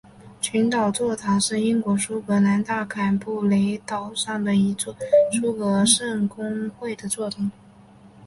群岛座堂是英国苏格兰大坎布雷岛上的一座苏格兰圣公会的座堂。